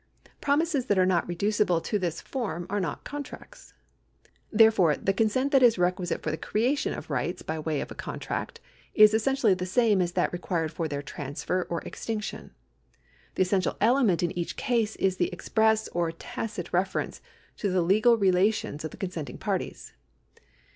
Promises that are not reducible to this from are not contracts. Therefore the consent that is requisite for the creation of rights by way of contract is essentially the same as that required for their transfer or ex tinction. The essential element in each case is the express or tacit reference to the legal relations of the consenting parties.